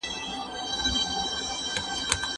په لاس لیکل د پوهي سره د میني څرګندونه ده.